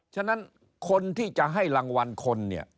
ฉะนั้นคนที่จะให้รางวัลคนเนี่ย